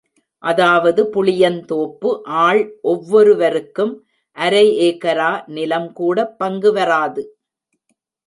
அதாவது புளியந்தோப்பு ஆள் ஒவ்வொருவருக்கும் அரை ஏகரா நிலம் கூட பங்கு வராது.